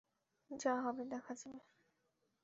যা হবে দেখা যাবে!